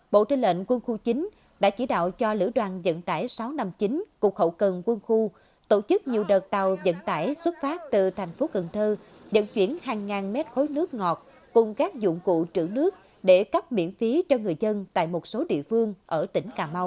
bộ tư lệnh quân khu chín đã chỉ đạo cho lữ đoàn dẫn tải sáu trăm năm mươi chín cục hậu cần quân khu tổ chức nhiều đợt tàu dẫn tải xuất phát từ thành phố cần thơ dẫn chuyển hàng ngàn mét khối nước ngọt cùng các dụng cụ trữ nước để cấp miễn phí cho người dân tại một số địa phương ở tỉnh cà mau